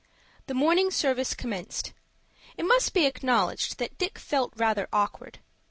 The morning service commenced. It must be acknowledged that Dick felt rather awkward.